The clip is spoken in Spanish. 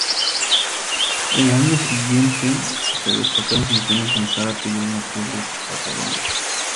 Al año siguiente se destacaron funciones en Zárate y el norte patagónico.